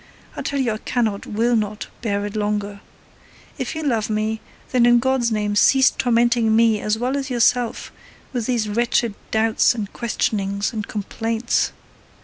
I tell you I cannot, will not, bear it longer. If you love me, then in God's name cease tormenting me as well as yourself with these wretched doubts and questionings and complaints.